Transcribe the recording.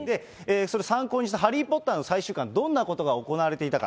参考にしたハリー・ポッターの最終巻、どんなことが行われていたか。